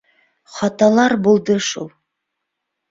Хаталар булды шул